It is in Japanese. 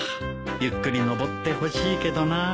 ゆっくり上ってほしいけどなあ。